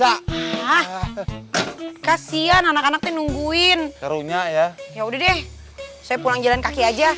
ah kasihan anak anaknya nungguin karunya ya yaudah deh saya pulang jalan kaki aja